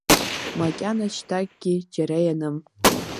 Макьана шьҭакгьы џьара ианым.